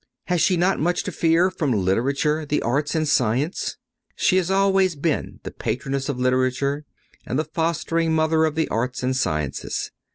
Has she not much to fear from literature, the arts and sciences? She has always been the Patroness of literature, and the fostering Mother of the arts and sciences.